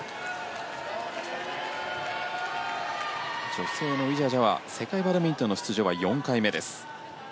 女性のウィジャジャは世界バドミントンの出場は４回目です。